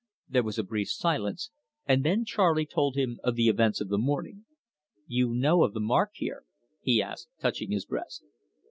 There was a brief silence, and then Charley told him of the events of the morning. "You know of the mark here?" he asked, touching his breast.